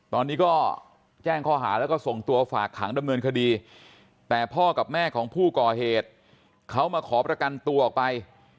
ตอนนี้ก็แจ้งข้อหาแล้วก็ส่งตัวฝากขังดำเนินคดีแต่พ่อกับแม่ของผู้ก่อเหตุเขามาขอประกันตัวออกไป